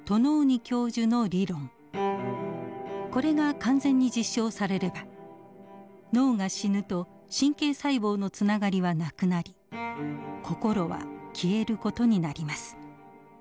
これが完全に実証されれば脳が死ぬと神経細胞のつながりはなくなり心は消える事になります。